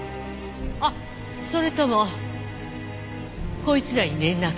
あっそれともこいつらに連絡した？